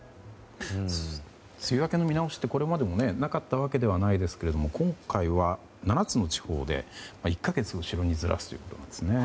梅雨明けの見直しってこれまでもなかったわけではないですけど今回は７つの地方で１か月後ろにずらすということなんですね。